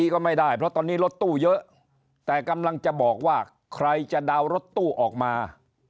ก็ไม่ได้เพราะตอนนี้รถตู้เยอะแต่กำลังจะบอกว่าใครจะดาวน์รถตู้ออกมา